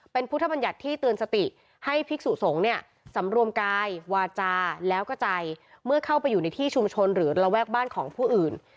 เป็นพุทธบัญญัติที่เตือนสติให้ภิกษุสงฆ์เนี่ยสำรวมกายวาจาแล้วก็ใจเมื่อเข้าไปอยู่ในที่ชุมชนหรือระแวกบ้านของผู้อื่น